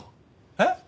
えっ？